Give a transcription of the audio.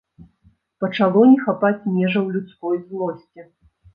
Пачало не хапаць межаў людской злосці.